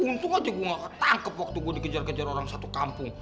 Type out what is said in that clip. untung aja gue gak ketangkep waktu gue dikejar kejar orang satu kampung